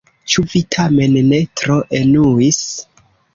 Ĉu vi tamen ne tro enuis?